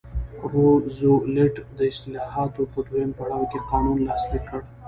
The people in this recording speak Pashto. روزولټ د اصلاحاتو په دویم پړاو کې قانون لاسلیک کړ.